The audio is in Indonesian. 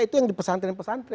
itu yang di pesantren pesantren